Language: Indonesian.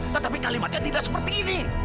tetapi kalimatnya tidak seperti ini